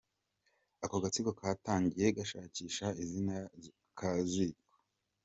Ako gatsiko katangiye gashakisha izina kazitwa.